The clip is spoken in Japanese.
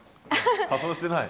仮装してない。